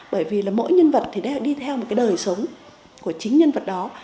bởi vì mỗi nhân vật thì đeo đi theo một cái đời sống của chính nhân vật đó